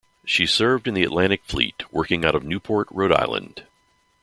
She served in the Atlantic Fleet working out of Newport, Rhode Island.